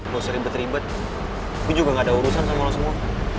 lo seribet dua gue juga ga ada urusan sama lo semua